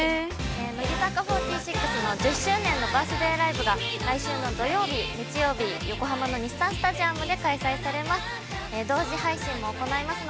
◆乃木坂４６の１０周年バースデーライブ、来週の土曜日と日曜日に横浜の日産スタジアムにて行います。